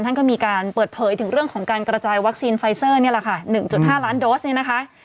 ท่านก็มีการเปิดเผยถึงเรื่องของการกระจายวัคซีนไฟเซอร์๑๕ล้านโดสนี้